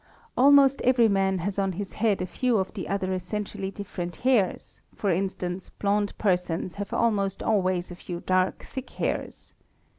| Almost every man has on his head a few of the other essentially _ different hairs, for instance blonde persons have almost always a few dark _ thick hairs.